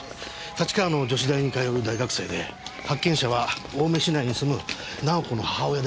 立川の女子大に通う大学生で発見者は青梅市内に住む直子の母親で山原早苗。